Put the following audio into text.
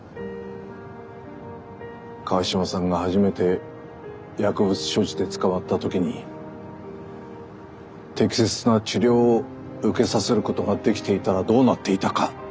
川島さんが初めて薬物所持で捕まった時に適切な治療を受けさせることができていたらどうなっていたか。